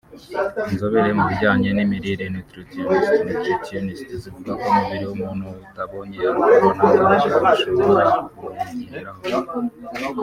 Inzobere mu bijyanye n’imirire (nutritionistes/ nutritionists ) zivuga ko umubiri w’umuntu utabonye alcool nta ngaruka bishobora kuwugiraho